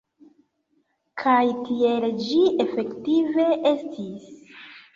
Kaj tiel ĝi efektive estis.